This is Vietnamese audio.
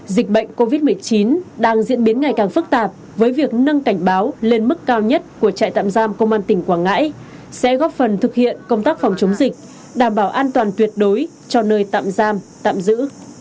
dịch bệnh covid một mươi chín đang diễn biến ngày càng phức tạp với việc nâng cảnh báo lên mức cao nhất của trại tạm giam công an tỉnh quảng ngãi sẽ góp phần thực hiện công tác phòng chống dịch đảm bảo an toàn tuyệt đối cho nơi tạm giam tạm giữ